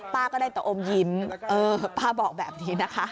ป้าก็ได้แต่อมยิ้มเออป้าบอกแบบนี้นะคะ